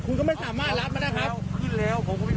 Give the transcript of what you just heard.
คุณก็ไม่สามารถรับมานะครับ